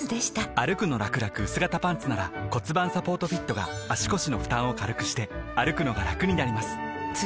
「歩くのらくらくうす型パンツ」なら盤サポートフィットが足腰の負担を軽くしてくのがラクになります覆个△